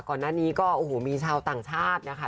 ก่อนหน้านี้ก็โอ้โหมีชาวต่างชาตินะคะ